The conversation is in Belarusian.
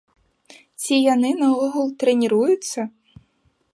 Ці яны наогул трэніруюцца?